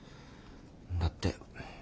だって。